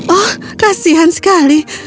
oh kasihan sekali